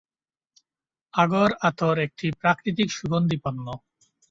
আগর-আতর একটি প্রাকৃতিক সুগন্ধি পণ্য।